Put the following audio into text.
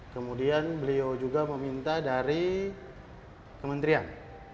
kemudian beliau juga meminta dari kementerian